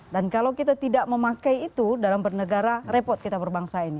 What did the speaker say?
dan kalau kita tidak memakai itu dalam bernegara repot kita perbangsa ini